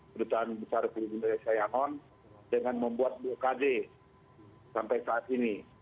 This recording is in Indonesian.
perintahan besar ktt asean dengan membuat bokd sampai saat ini